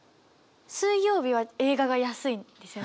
水曜日は映画が安いんですよね。